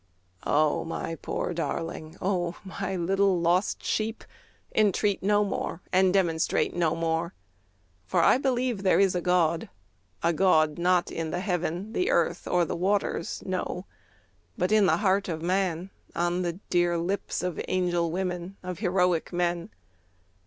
O my poor darling, O my little lost sheep, Entreat no more and demonstrate no more; For I believe there is a God, a God Not in the heaven, the earth, or the waters; no, But in the heart of man, on the dear lips Of angel women, of heroic men!